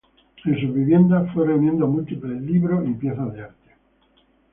En sus viviendas fue reuniendo múltiples libros y piezas de arte.